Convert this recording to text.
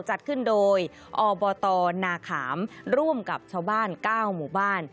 จัดขึ้นโดยอบตนาขามร่วมกับชาวบ้าน๙หมู่บ้าน